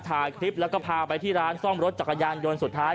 ถ่ายคลิปแล้วก็พาไปที่ร้านซ่อมรถจักรยานยนต์สุดท้าย